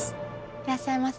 いらっしゃいませ。